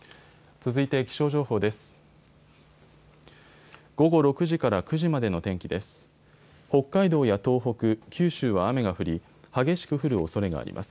続いて気象情報です。